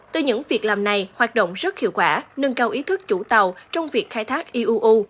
từ những việc làm này hoạt động rất hiệu quả nâng cao ý thức chủ tàu trong việc khai thác iuu